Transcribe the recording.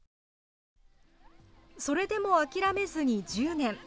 それでも諦めずに１０年。